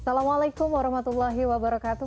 assalamualaikum warahmatullahi wabarakatuh